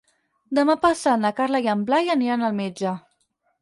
Demà passat na Carla i en Blai aniran al metge.